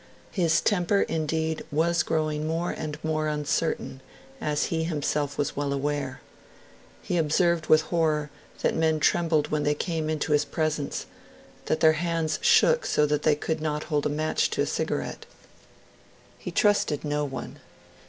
His temper, indeed, was growing more and more uncertain, as he himself was well aware. He observed with horror that men trembled when they came into his presence that their hands shook so that they could not hold a match to a cigarette. He trusted no one.